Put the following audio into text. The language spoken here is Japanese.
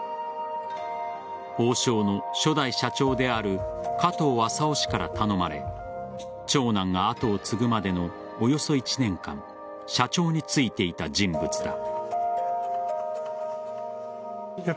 王将の初代社長である加藤朝雄氏から頼まれ長男が後を継ぐまでのおよそ１年間社長に就いていた人物だ。